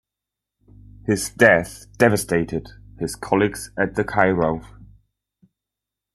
His death devastated his colleagues at the Kirov.